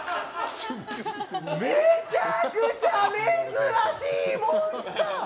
めちゃくちゃ珍しいモンスター！